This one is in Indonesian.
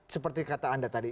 seperti kata anda tadi